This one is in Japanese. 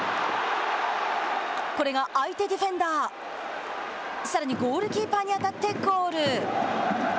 これが、相手ディフェンダーさらに、ゴールキーパーに当たってゴール。